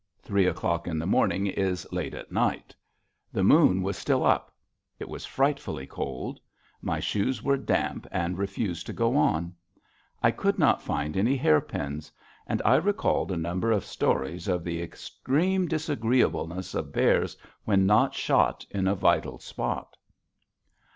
Three o'clock in the morning is late at night. The moon was still up. It was frightfully cold. My shoes were damp and refused to go on. I could not find any hairpins. And I recalled a number of stories of the extreme disagreeableness of bears when not shot in a vital spot.